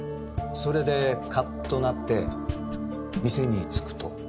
それでカッとなって店に着くと。